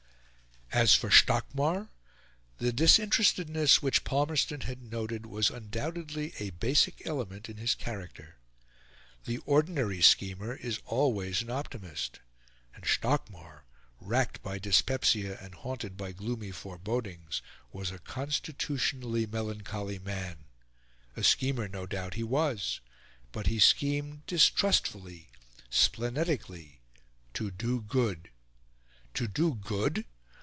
As for Stockmar, the disinterestedness which Palmerston had noted was undoubtedly a basic element in his character. The ordinary schemer is always an optimist; and Stockmar, racked by dyspepsia and haunted by gloomy forebodings, was a constitutionally melancholy man. A schemer, no doubt, he was; but he schemed distrustfully, splenetically, to do good. To do good!